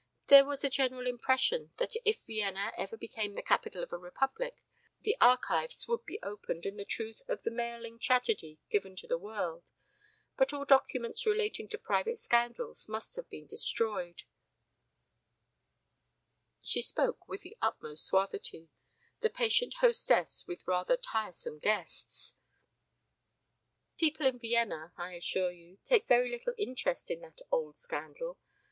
There was a general impression that if Vienna ever became the capital of a Republic the archives would be opened and the truth of the Meyerling tragedy given to the world. But all documents relating to private scandals must have been destroyed." She spoke with the utmost suavity, the patient hostess with rather tiresome guests. "People in Vienna, I assure you, take very little interest in that old scandal.